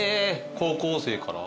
高校生から？